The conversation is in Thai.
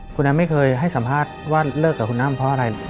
คุณอ้ำไม่เคยให้สัมภาษณ์ว่าเลิกกับคุณอ้ำเพราะอะไร